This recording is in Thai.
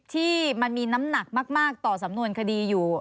ที่มันมีน้ำหนักมากต่อสำนวนคดีอยู่